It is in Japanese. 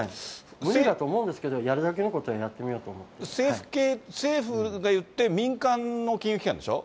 無理だと思うんですけど、やるだけのことはやってみようと思政府がいって、民間の金融機関でしょう。